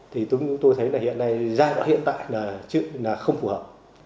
thì tôi thấy là hiện nay giai đoạn hiện tại là không phù hợp